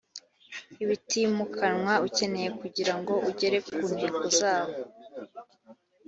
ibitimukanwa ukeneye kugira ngo ugere ku ntego zawo